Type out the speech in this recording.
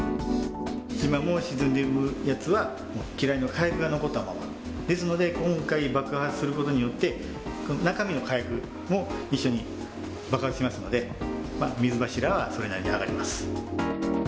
今も沈んでいるやつは、機雷の火薬が残ったまま、ですので、今回爆破することによって、中身の火薬も一緒に爆発しますので、水柱はそれなりに上がります。